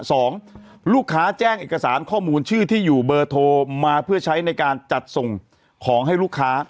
สองลูกค้าแจ้งเอกสารข้อมูลชื่อที่อยู่เบอร์โทรมาเพื่อใช้ในการจัดส่งของให้ลูกค้า